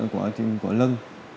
của cận của lưng